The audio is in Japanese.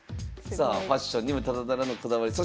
さあファッションにもただならぬこだわり。